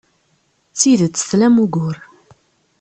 D tidet tlam ugur.